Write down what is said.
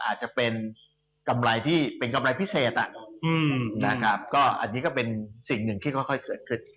อาจจะเป็นกำไรที่เป็นกำไรพิเศษนะครับก็อันนี้ก็เป็นสิ่งหนึ่งที่ค่อยเกิดขึ้น